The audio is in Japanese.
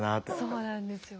そうなんですよ。